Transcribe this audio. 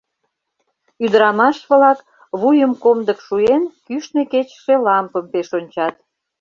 Ӱдырамаш-влак, вуйым комдык шуэн, кӱшнӧ кечыше лампым пеш ончат.